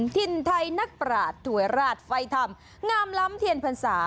ถิ่นไทยนักปราศถั่วยราชไฟธรรมงามล้ำเทียนพรรษา